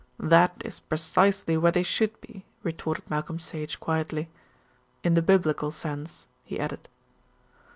"That is precisely where they should be," retorted Malcolm Sage quietly. "In the biblical sense," he added.